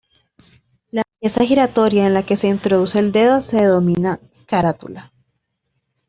La pieza giratoria en la que se introduce el dedo se denomina carátula.